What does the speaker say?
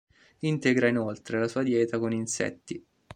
Integra inoltre la sua dieta con insetti.